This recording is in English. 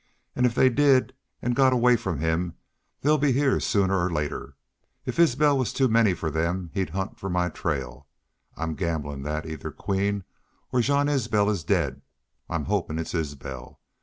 An' if they did an' got away from him they'll be heah sooner or later. If Isbel was too many for them he'd hunt for my trail. I'm gamblin' that either Queen or Jean Isbel is daid. I'm hopin' it's Isbel.